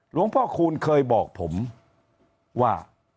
หลวงพ่อคูณเคยบอกผมว่า